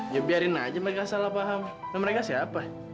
ya biarin aja mereka salah paham mereka siapa